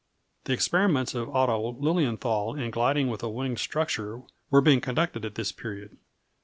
] The experiments of Otto Lilienthal in gliding with a winged structure were being conducted at this period.